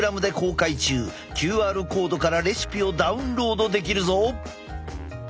ＱＲコードからレシピをダウンロードできるぞ！